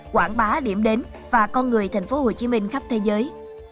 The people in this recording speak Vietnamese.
quảng bá điểm đến và con người thành phố hồ chí minh khắp thế giới